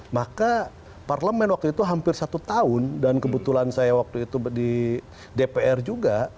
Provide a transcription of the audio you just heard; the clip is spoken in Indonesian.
maka parlemen waktu itu hampir satu tahun dan kebetulan saya waktu itu di dpr juga